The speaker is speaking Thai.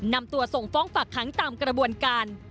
นำตัวส่งฟ้องฝากค้างตามกระบวนการ